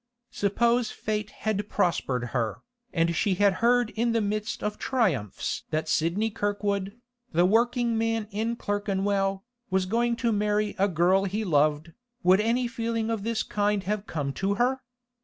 Suppose fate had prospered her, and she had heard in the midst of triumphs that Sidney Kirkwood, the working man in Clerkenwell, was going to marry a girl he loved, would any feeling of this kind have come to her?